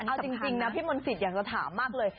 เอาจริงนะพี่มนต์สิทธิ์อยากจะถามมากเลย